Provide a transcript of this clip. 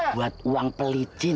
buat uang pelicin